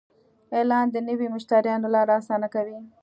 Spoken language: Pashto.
اعلان د نوي مشتریانو لاره اسانه کوي.